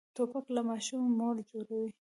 توپک له ماشومې مور جوړوي.